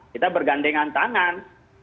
kita bergandengan tangan